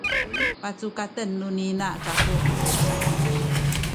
pacukaten tu ni ina kaku